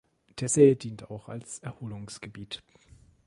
Der See dient auch als Erholungsgebiet.